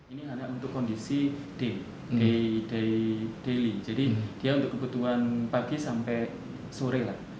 ini hanya untuk kondisi day day day daily jadi dia untuk kebutuhan pagi sampai sore lah